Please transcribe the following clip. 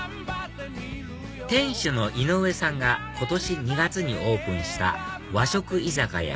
店主の井上さんが今年２月にオープンした和食居酒屋